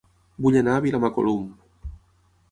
Vull anar a Vilamacolum